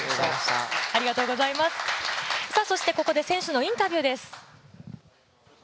ここで選手のインタビューです。